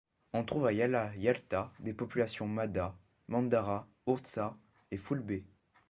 On trouve à Yala Yalta des populations Mada, Mandara, Ourza et Foulbé.